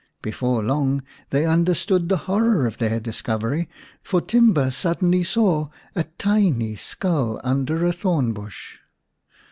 Before long they understood the horror of their discovery, for Timba suddenly saw a tiny skull under a thorn bush.